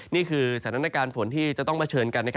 นี่คือสถานการณ์ฝนที่จะต้องมาเชิญกัน